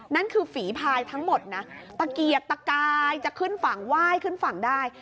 นั่นคือฝีพายทั้งหมดนะตะเกียกตะกายจะขึ้นฝั่งไหว้ขึ้นฝั่งได้